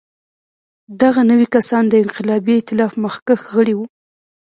دغه نوي کسان د انقلابي اېتلاف مخکښ غړي وو.